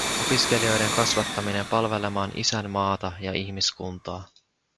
Opiskelijoiden kasvattaminen palvelemaan isänmaata ja ihmiskuntaa.